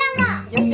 よし。